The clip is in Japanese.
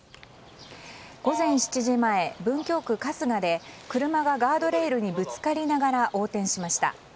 午前７時前、文京区春日で車がガードレールにぶつかりながら横転しました。